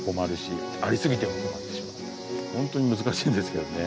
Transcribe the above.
ホントに難しいんですけどね。